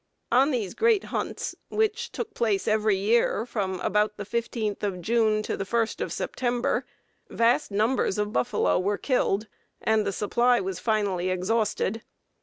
On these great hunts, which took place every year from about the 15th of June to the 1st of September, vast numbers of buffalo were killed, and the supply was finally exhausted.